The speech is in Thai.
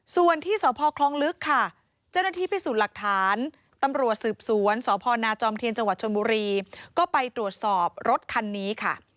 ส่วนที่สคล้องลึกจนที่พิสูจน์หลักฐานตำรวจสืบสวนสนจจชมก็ไปตรวจสอบรถคันนี้